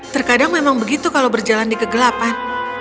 terkadang memang begitu kalau berjalan di kegelapan